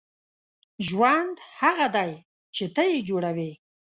• ژوند هغه دی چې ته یې جوړوې.